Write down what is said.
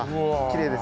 きれい！